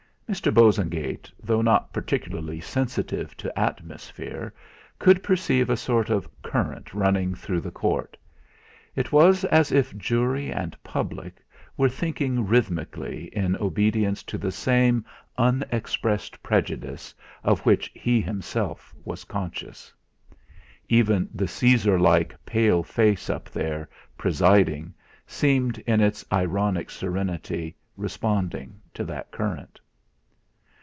Mr. Bosengate, though not particularly sensitive to atmosphere, could perceive a sort of current running through the Court. It was as if jury and public were thinking rhythmically in obedience to the same unexpressed prejudice of which he himself was conscious. Even the Caesar like pale face up there, presiding, seemed in its ironic serenity responding to that current.